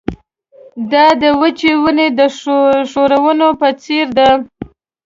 دا د وچې ونې د ښورولو په څېر ده.